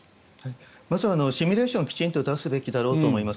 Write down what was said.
まずシミュレーションをきちんと出すべきだろうと思います。